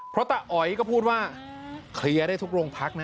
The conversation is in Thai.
เพราะตาอ๋อยก็พูดว่าเคลียร์ได้ทุกโรงพักนะ